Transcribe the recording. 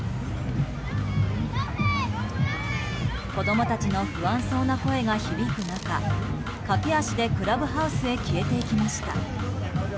子供たちの不安そうな声が響く中駆け足でクラブハウスへ消えていきました。